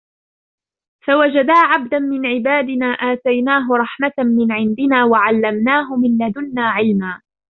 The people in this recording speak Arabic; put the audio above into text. فوجدا عبدا من عبادنا آتيناه رحمة من عندنا وعلمناه من لدنا علما